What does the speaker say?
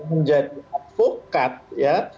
menjadi advokat ya